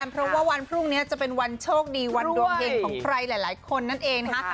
เพราะว่าวันพรุ่งนี้จะเป็นวันโชคดีวันดวงเฮงของใครหลายคนนั่นเองนะคะ